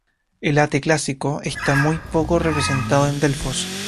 El ate clásico está muy poco representado en Delfos.